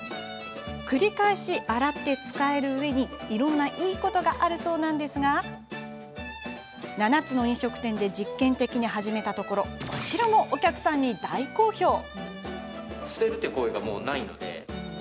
繰り返し洗って使えるうえにいろんな、いいことがあるそうなんですが７つの飲食店で実験的に始めたところこちらもお客さんに大好評。